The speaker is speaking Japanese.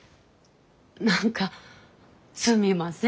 何かすみません。